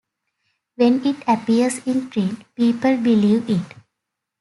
When it appears in print, people believe it.